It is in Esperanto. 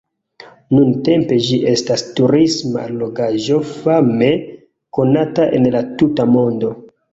Nuntempe ĝi estas turisma allogaĵo fame konata en la tuta mondo.